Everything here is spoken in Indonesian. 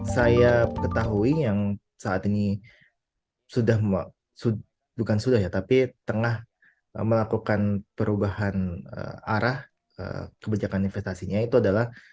saya ketahui yang saat ini sudah bukan sudah ya tapi tengah melakukan perubahan arah kebijakan investasinya itu adalah